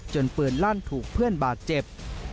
ปืนลั่นถูกเพื่อนบาดเจ็บ